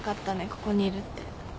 ここにいるって。